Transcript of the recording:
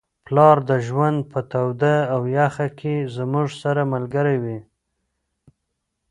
پلار د ژوند په توده او یخه کي زموږ سره ملګری وي.